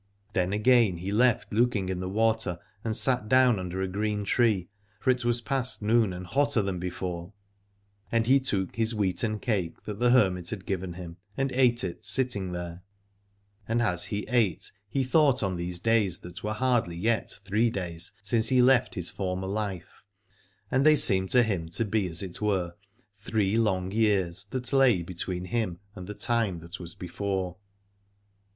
Then again he left looking in the water, and sat down under a green tree, for it was past noon and hotter than before : and he took his wheaten cake that the hermit had given him and ate it sitting there. And as he 39 Alad ore ate he thought on these days that were hardly yet three days since he left his former life, and they seemed to him to be as it were three long years, that lay between him and the time that was before.